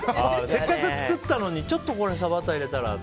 せっかく作ったのにちょっとこれバター入れたらって。